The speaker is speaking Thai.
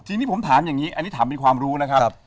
ทีนี้ผมถามอย่างนี้อันนี้ถามเป็นความรู้นะครับ